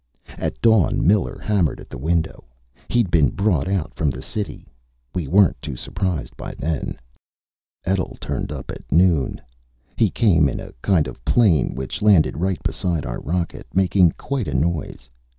At dawn, Miller hammered at a window. He'd been brought out from the city. We weren't too surprised by then. Etl turned up at noon. He came in a kind of plane, which landed right beside our rocket, making quite a noise.